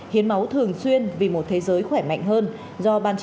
hiến máu thường xuyên vì một thế giới khỏe mạnh hơn